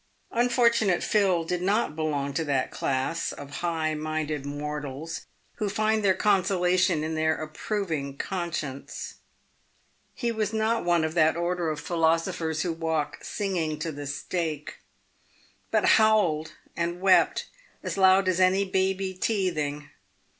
Unfortunate Phil did not belong to that class of high minded mortals who find their consola tion in their approving conscience. He was not one of that order of philosophers who walk singing to the stake ; but howled and wept as loud as any baby teething.